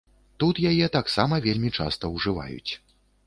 Тут яе таксама вельмі часта ўжываюць.